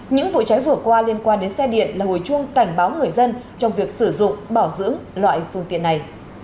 những vụ cháy vừa qua liên quan đến xe điện là hồi chuông cảnh báo người dân trong việc sử dụng bảo dưỡng loại phương tiện này